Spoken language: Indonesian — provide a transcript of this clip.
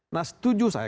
nah setuju saya